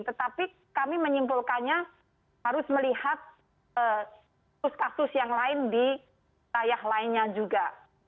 tetapi kami menyimpulkannya harus melihat kasus kasus yang lain di kayah lainnya juga